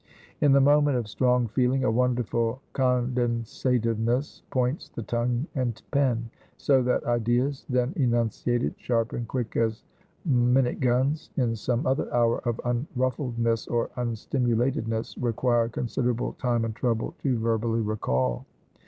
In the moment of strong feeling a wonderful condensativeness points the tongue and pen; so that ideas, then enunciated sharp and quick as minute guns, in some other hour of unruffledness or unstimulatedness, require considerable time and trouble to verbally recall.